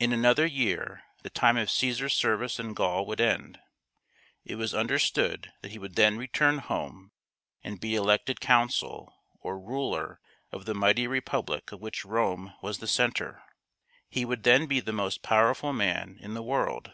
In another year the time of Caesar's service in Gaul would end. It was understood that he would then return home and be elected consul, or ruler, of the mighty republic of which Rome was the center. He would then be the most' powerful man in the world.